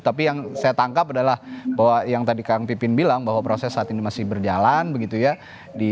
tapi yang saya tangkap adalah bahwa yang tadi kang pipin bilang bahwa proses saat ini masih berjalan begitu ya